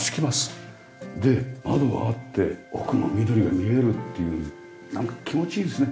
で窓があって奧の緑が見えるっていうなんか気持ちいいですね。